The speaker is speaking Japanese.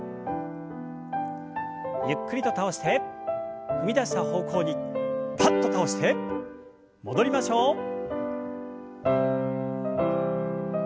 ゆっくりと倒して踏み出した方向にパッと倒して戻りましょう。